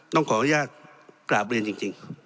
ต้องขออนุญาตกราบเรียนจริง